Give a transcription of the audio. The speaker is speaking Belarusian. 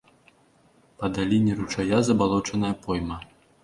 Па даліне ручая забалочаная пойма.